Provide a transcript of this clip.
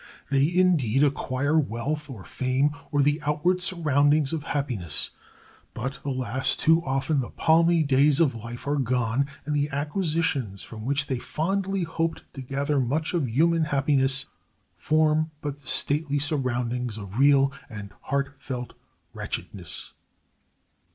They, indeed, acquire wealth or fame or the outward surroundings of happiness; but, alas! too often the palmy days of life are gone, and the acquisitions from which they fondly hoped to gather much of human happiness form but the stately surroundings of real and heart felt wretchedness.